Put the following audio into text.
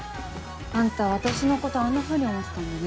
あんた私のことあんなふうに思ってたんだね。